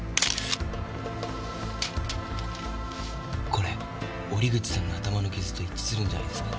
これ折口さんの頭の傷と一致するんじゃないですか？